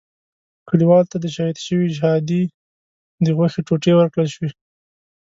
کلیوالو ته د شهید شوي شهادي د غوښو ټوټې ورکړل شوې.